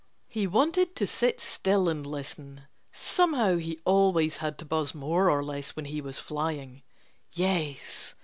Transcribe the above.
He wanted to sit still and listen. (Somehow he always had to buzz more or less when he was flying.) Yes!